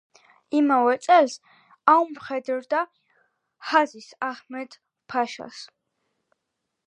იმავე წელს აუმხედრდა ჰაფიზ აჰმედ-ფაშას.